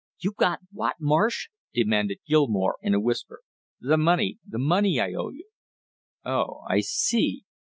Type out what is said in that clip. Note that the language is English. "You got what, Marsh?" demanded Gilmore in a whisper. "The money, the money I owe you!" "Oh, I see!"